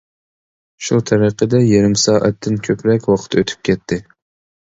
شۇ تەرىقىدە يېرىم سائەتتىن كۆپرەك ۋاقىت ئۆتۈپ كەتتى.